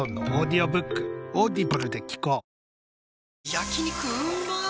焼肉うまっ